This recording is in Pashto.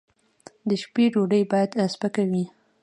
د شپې ډوډۍ باید سپکه وي